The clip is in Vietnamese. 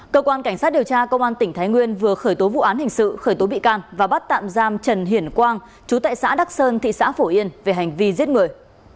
cơ quan cảnh sát điều tra công an tỉnh thái nguyên vừa khởi tố vụ án hình sự khởi tố bị can và bắt tạm giam trần hiển quang chú tại xã đắc sơn thị xã phổ yên về hành vi giết người